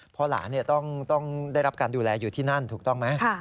เพราะหลานต้องได้รับการดูแลอยู่ที่นั่นถูกต้องไหม